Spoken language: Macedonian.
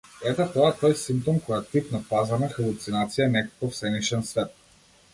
Ете тоа е тој симптом кој е тип на пазарна халуцинација, некаков сенишен свет.